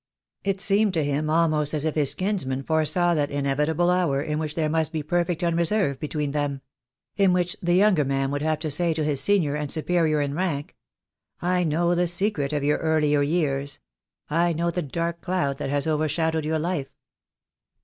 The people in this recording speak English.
It seemed to him almost as if his kinsman foresaw that inevitable hour in which there must be per fect unreserve between them — in which the younger man would have to say to his senior and superior in rank, "I know the secret of your earlier years. I know the dark cloud that has overshadowed your life."